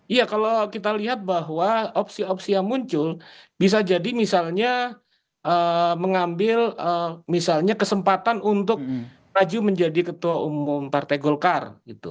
iya kalau kita lihat bahwa opsi opsi yang muncul bisa jadi misalnya mengambil misalnya kesempatan untuk maju menjadi ketua umum partai golkar